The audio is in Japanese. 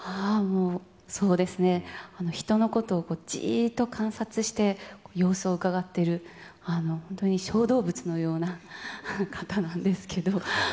もう、そうですね、人のことをじーっと観察して、様子をうかがってる、本当に小動物のような方なんですけど。